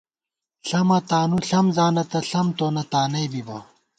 ݪمہ تانُو ݪم زانہ تہ ، ݪم تونہ تانئ بِبہ